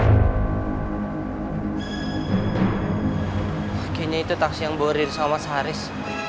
kayaknya itu taksi yang bawa riri sama mas haris